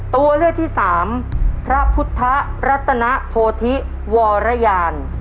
ตัวเลือกที่สามพระพุทธะรัตนะโพธิโพธิรัตนะ